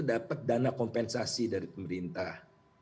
dapat dana kompensasi dari pemerintah